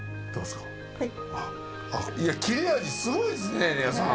いや切れ味すごいですね根矢さん。